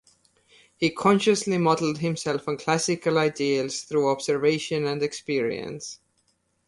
He consciously modeled himself on classical ideals through observation and experience.